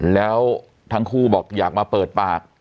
แล้วทั้งคู่บอกอยากมาเปิดปาก